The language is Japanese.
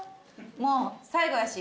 もう最後だし。